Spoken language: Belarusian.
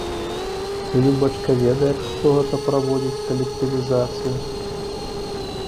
Ты, любачка, ведаеш, хто гэта праводзіць калектывізацыю?